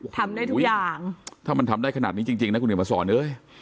ทำได้ทุกอย่างถ้ามันทำได้ขนาดนี้จริงนะคุณเห็นมาสอนเอ้ย